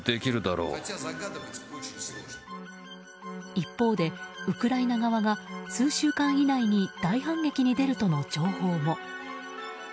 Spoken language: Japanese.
一方で、ウクライナ側が数週間以内に大反撃に出るとの情報も。